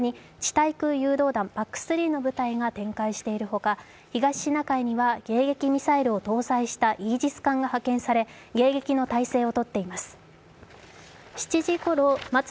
対空誘導弾、ＰＡＣ３の部隊が展開しているほか、東シナ海には迎撃ミサイルを搭載したイージス艦が派遣され迎撃の態勢をとっています。